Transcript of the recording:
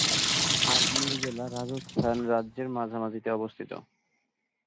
আজমির জেলা রাজস্থান রাজ্যের মাঝামাঝিতে অবস্থিত।